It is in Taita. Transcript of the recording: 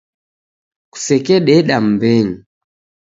Kusekededa mbenyu